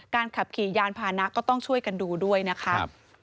ขับขี่ยานพานะก็ต้องช่วยกันดูด้วยนะคะ